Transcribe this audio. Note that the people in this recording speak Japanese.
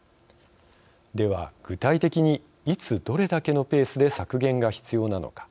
では、具体的にいつ、どれだけのペースで削減が必要なのか。